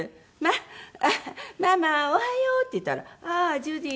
「あっママおはよう！」って言ったら「ああジュディ！